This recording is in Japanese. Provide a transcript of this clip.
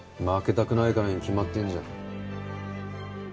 負けたくないからに決まってんじゃん